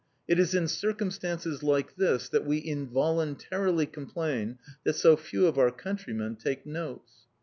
It is in circumstances like this that we involuntarily complain that so few of our countrymen take notes.